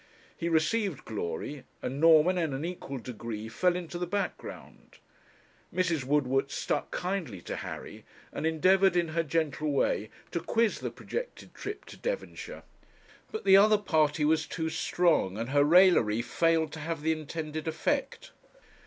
He received glory, and Norman in an equal degree fell into the background. Mrs. Woodward stuck kindly to Harry, and endeavoured, in her gentle way, to quiz the projected trip to Devonshire. But the other party was too strong, and her raillery failed to have the intended effect.